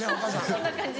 そんな感じ。